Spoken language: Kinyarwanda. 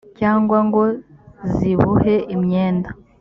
cyangwa ngo zibohe imyenda